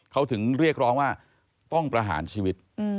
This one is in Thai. เขาถึงเรียกร้องว่าต้องประหารชีวิต